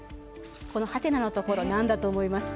このハテナのところ何だと思いますか？